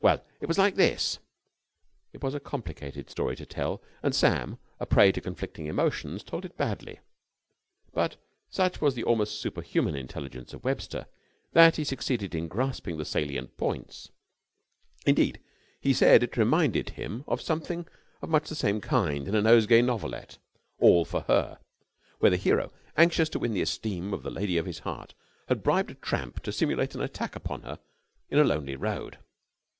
"Well, it was like this." It was a complicated story to tell, and Sam, a prey to conflicting emotions, told it badly; but such was the almost superhuman intelligence of Webster, that he succeeded in grasping the salient points. Indeed, he said that it reminded him of something of much the same kind in the Nosegay Novelette, "All for Her," where the hero, anxious to win the esteem of the lady of his heart, had bribed a tramp to simulate an attack upon her in a lonely road.